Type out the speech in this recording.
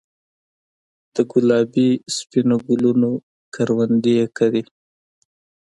دګلابي ، سپینو ګلونو کروندې کرې